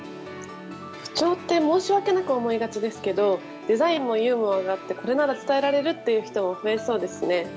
不調って申し訳なく思いがちですけどデザインもユーモアがあってこれなら伝えられるっていう人も増えそうですね。